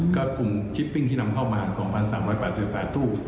ก็กลุ่มชิปปิ้งที่นำเข้ามา๒๓๘๘ตู้